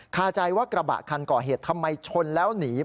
คาใจว่ากระบะคันก่อเหตุทำไมชนแล้วหนี